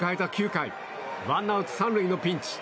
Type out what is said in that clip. ９回１ワンアウト３塁のピンチ。